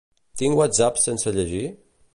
Tinc whatsapps sense llegir?